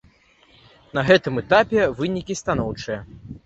На гэтым этапе вынікі станоўчыя.